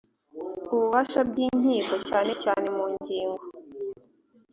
ububasha by inkiko cyane cyane mu ngingo